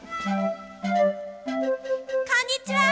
こんにちは！